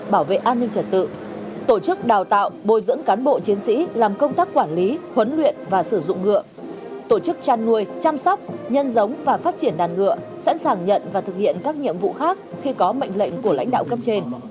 bảo vệ an ninh trật tự tổ chức đào tạo bồi dưỡng cán bộ chiến sĩ làm công tác quản lý huấn luyện và sử dụng ngựa tổ chức chăn nuôi chăm sóc nhân giống và phát triển đàn ngựa sẵn sàng nhận và thực hiện các nhiệm vụ khác khi có mệnh lệnh của lãnh đạo cấp trên